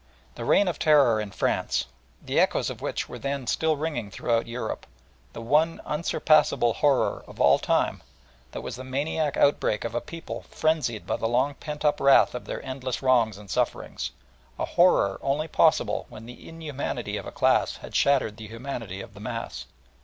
the Reign of Terror in France, the echoes of which were then still ringing throughout Europe, the one unsurpassable horror of all time, that was the maniac outbreak of a people frenzied by the long pent up wrath of their endless wrongs and sufferings, a horror only possible when the inhumanity of a class had shattered the humanity of the mass.